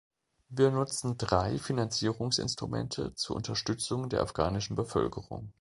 Wir nutzen drei Finanzierungsinstrumente zur Unterstützung der afghanischen Bevölkerung.